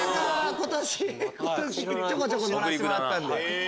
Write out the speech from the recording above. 今年ちょこちょこ乗らしてもらったんで。